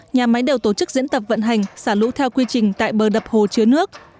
nhà máy đều tổ chức diễn tập vận hành xả lũ theo quy trình tại bờ đập hồ chứa nước